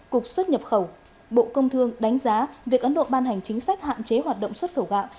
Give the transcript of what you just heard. cục xuất nhập khẩu bộ công thương đánh giá việc ấn độ ban hành chính sách hạn chế hoạt động xuất khẩu gạo